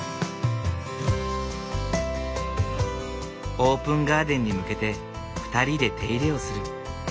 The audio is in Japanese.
オープンガーデンに向けて２人で手入れをする。